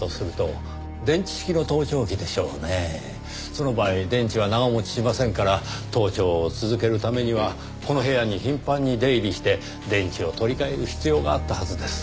その場合電池は長持ちしませんから盗聴を続けるためにはこの部屋に頻繁に出入りして電池を取り替える必要があったはずです。